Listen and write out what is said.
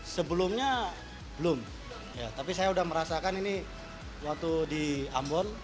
sebelumnya belum tapi saya sudah merasakan ini waktu di ambon